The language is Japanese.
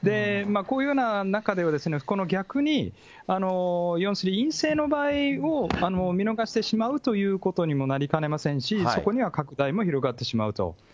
こういうような中では、逆に、要するに陰性の場合を見逃してしまうということにもなりかねませんし、そこには拡大も広がってしまうと。